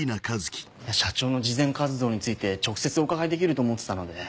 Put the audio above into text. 社長の慈善活動について直接お伺いできると思っていたので。